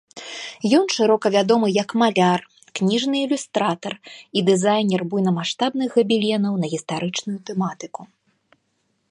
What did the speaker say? Ён шырока вядомы як маляр, кніжны ілюстратар і дызайнер буйнамаштабных габеленаў на гістарычную тэматыку.